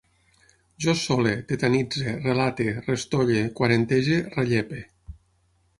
Jo sole, tetanitze, relate, restolle, quarantege, rellepe